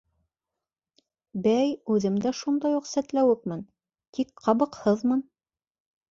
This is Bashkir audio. Бәй, үҙем дә шундай уҡ сәтләүекмен, тик ҡабыҡһыҙмын.